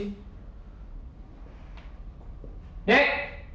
ini udah udah